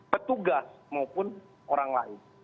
petugas maupun orang lain